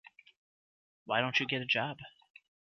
Why Don't You Get a Job?